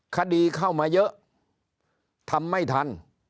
คดีเข้ามาเยอะทำไม่ทัน